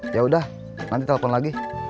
yaudah nanti telepon lagi